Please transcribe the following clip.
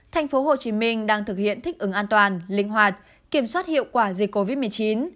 tp hcm đang thực hiện thích ứng an toàn linh hoạt kiểm soát hiệu quả dịch covid một mươi chín